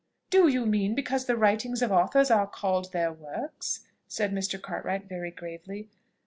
"Do you mean, because the writings of authors are called their works?" said Mr. Cartwright very gravely.